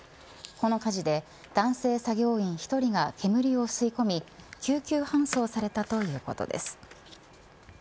この火事で男性作業員１人が煙を吸い込み、救急搬送されたということです。